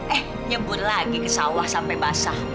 eh nyebur lagi ke sawah sampai basah